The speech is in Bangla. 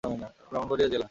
ব্রাহ্মণবাড়িয়া জেলা।